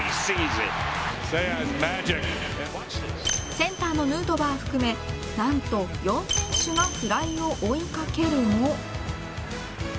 センターのヌートバー含め何と４選手がフライを追い掛けるも。